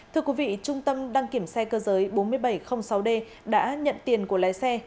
thưa quý vị trung tâm đăng kiểm xe cơ giới bốn nghìn bảy trăm linh sáu d đã nhận tiền của lái xe